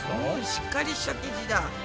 しっかりした生地だ。